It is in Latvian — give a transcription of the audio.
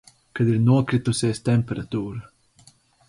Kad ir nokritusies temperatūra.